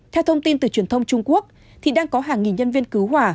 theo thông tin từ truyền thông trung quốc đang có hàng nghìn nhân viên cứu hỏa